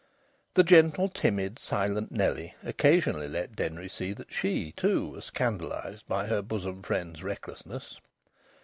The gentle, timid, silent Nellie occasionally let Denry see that she, too, was scandalised by her bosom friend's recklessness.